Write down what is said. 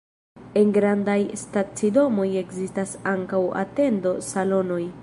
En grandaj stacidomoj ekzistas ankaŭ atendo-salonoj.